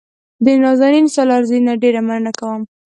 د نازنین سالارزي نه ډېره مننه کوم.